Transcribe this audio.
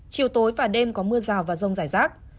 chiều tối và đêm có mưa rào và rông rải rác